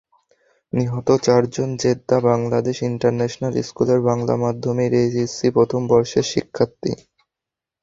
নিহত চারজন Jeddah Bangladesh international স্কুলের বাংলা মাধ্যমের এইচএসসি প্রথম বর্ষের শিক্ষার্থী।